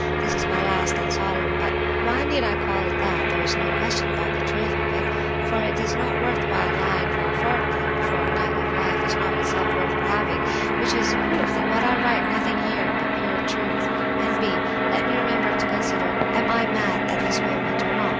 This is my 'last and solemn'—but why need I call it that? There is no question about the truth of it, for it is not worthwhile lying for a fortnight; a fortnight of life is not itself worth having, which is a proof that I write nothing here but pure truth. ("N.B.—Let me remember to consider; am I mad at this moment, or not?